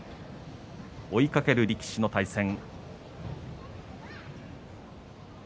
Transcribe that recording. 追いかける力士の対戦。